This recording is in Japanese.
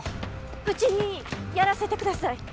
うちにやらせてください！